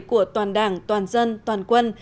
của toàn đảng toàn dân toàn quân